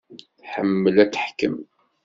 Tḥemmel ad teḥkem.